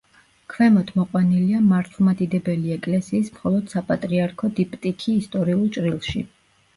ქვემოთ მოყვანილია მართლმადიდებელი ეკლესიის მხოლოდ საპატრიარქო დიპტიქი ისტორიულ ჭრილში.